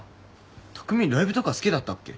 匠ライブとか好きだったっけ？